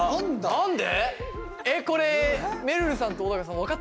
何で！？